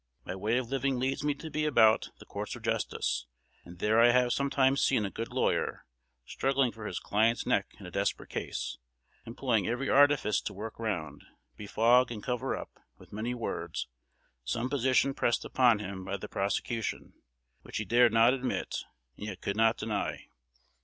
My way of living leads me to be about the courts of justice; and there I have sometimes seen a good lawyer, struggling for his client's neck in a desperate case, employing every artifice to work round, befog, and cover up with many words, some position pressed upon him by the prosecution, which he dared not admit, and yet could not deny.